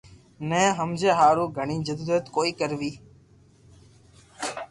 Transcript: ني ھمجيا ھارون گڙي جدو جھد ڪوئي ڪروي